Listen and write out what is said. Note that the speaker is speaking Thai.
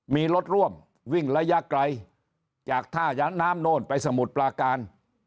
มีรถร่วมวิ่งระยะไกลจากท่ายะน้ำโน่นไปสมุทรปลาการ